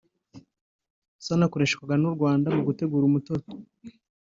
zanakoreshwaga mu Rwanda mu gutegura umutobe